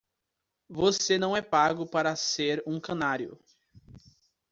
Você não é pago para ser um canário.